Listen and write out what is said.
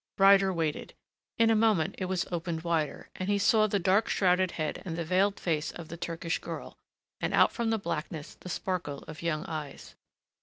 Ryder waited. In a moment it was opened wider, and he saw the dark shrouded head and the veiled face of the Turkish girl, and out from the blackness the sparkle of young eyes.